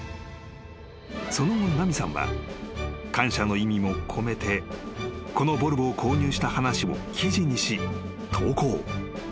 ［その後奈美さんは感謝の意味も込めてこのボルボを購入した話を記事にし投稿］